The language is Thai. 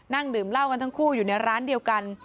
นั่งดื่มเหล้ากันทั้งคู่อยู่ในร้านเดียวกัน